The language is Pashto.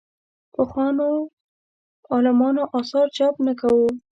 پخوانو عالمانو اثارو چاپ نه کوو.